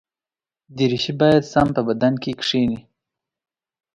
دریشي باید سم په بدن کې کېني.